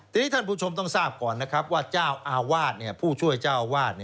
ทีนี้ท่านผู้ชมต้องทราบก่อนนะครับว่าเจ้าอาวาสผู้ช่วยเจ้าอาวาส